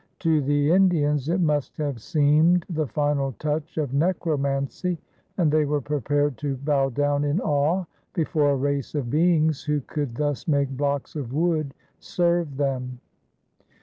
To the Indians it must have seemed the final touch of necromancy, and they were prepared to bow down in awe before a race of beings who could thus make blocks of wood serve them.